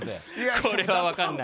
これは分かんない。